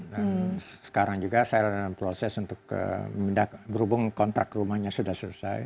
dan sekarang juga saya dalam proses untuk berubung kontrak rumahnya sudah selesai